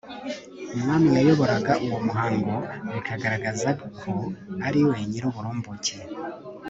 umwami yayoboraga uwo muhango bikagaragaza ko ariwe nyiruburumbuke